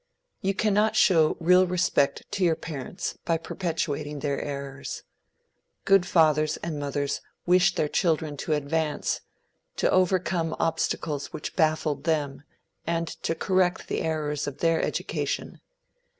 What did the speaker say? You cannot show real respect to your parents by perpetuating their errors. Good fathers and mothers wish their children to advance, to overcome obstacles which baffled them, and to correct the errors of their education.